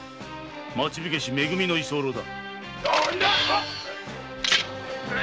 町火消し「め組」の居候だ。